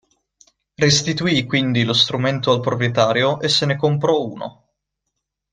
Restituì quindi lo strumento al proprietario e se ne comprò uno.